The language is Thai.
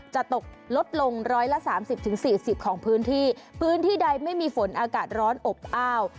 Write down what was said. จะตกลดลงร้อยละสามสิบถึงสี่สิบของพื้นที่พื้นที่ใดไม่มีฝนอากาศร้อนอบอ้าว